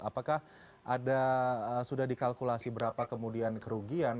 apakah ada sudah dikalkulasi berapa kemudian kerugian